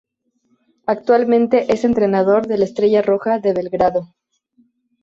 Actualmente es entrenador del Estrella Roja de Belgrado.